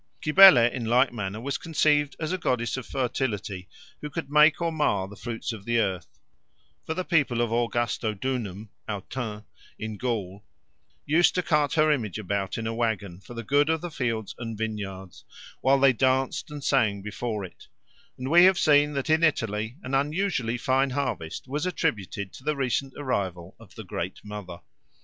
Cybele in like manner was conceived as a goddess of fertility who could make or mar the fruits of the earth; for the people of Augustodunum (Autun) in Gaul used to cart her image about in a waggon for the good of the fields and vineyards, while they danced and sang before it, and we have seen that in Italy an unusually fine harvest was attributed to the recent arrival of the Great Mother.